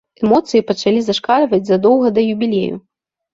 Эмоцыі пачалі зашкальваць задоўга да юбілею.